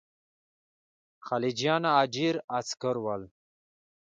خلجیان اجیر عسکر ول.